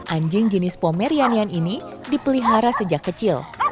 anjing jenis pomerianian ini dipelihara sejak kecil